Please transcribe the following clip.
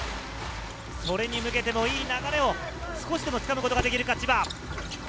それに向けてもいい流れを少しでも掴むことができるか、千葉。